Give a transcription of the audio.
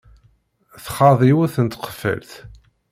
Txaḍ yiwet n tqeffalt.